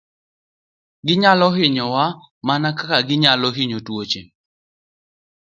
Ginyalo hinyowa mana kaka ginyalo hinyo tuoche.